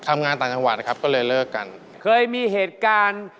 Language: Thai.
มีครับมีบ้าง